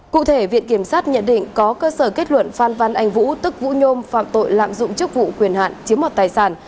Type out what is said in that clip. cụ thể viện kiểm sát nhận định có cơ sở kết luận phan văn anh vũ tức vũ nhôm phạm tội lạm dụng chức vụ quyền hạn chiếm mọt tài sản